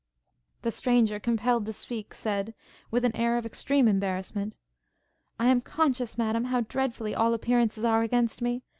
The stranger, compelled to speak, said, with an air of extreme embarrassment, 'I am conscious, Madam, how dreadfully all appearances are against me!